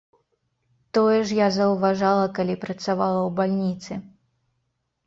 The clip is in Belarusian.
Тое ж я заўважала, калі працавала ў бальніцы.